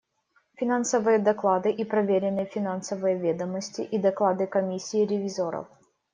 Финансовые доклады и проверенные финансовые ведомости и доклады Комиссии ревизоров.